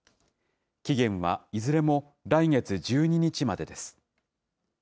期限はいずれも来月１２日までです。